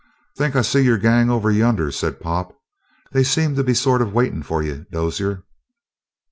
"Think I see your gang over yonder," said Pop. "They seem to be sort of waitin' for you, Dozier."